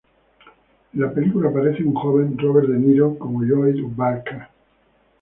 En la película aparece un joven Robert De Niro como Lloyd Barker.